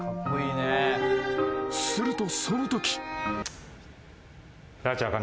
［するとそのとき］